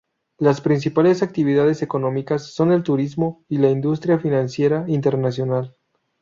Las principales actividades económicas son el turismo y la industria financiera internacional.